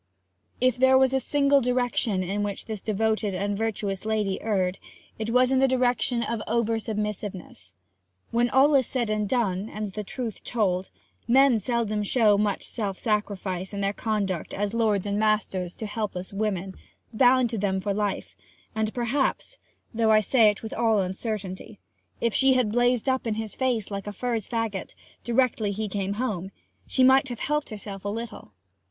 If there was a single direction in which this devoted and virtuous lady erred, it was in the direction of over submissiveness. When all is said and done, and the truth told, men seldom show much self sacrifice in their conduct as lords and masters to helpless women bound to them for life, and perhaps (though I say it with all uncertainty) if she had blazed up in his face like a furze faggot, directly he came home, she might have helped herself a little.